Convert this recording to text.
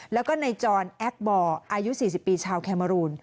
แล้วก็นายจรแอคบอร์อายุ๔๐ปีชาวแคเมอรูน